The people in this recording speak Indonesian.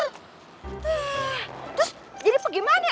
terus jadi gimana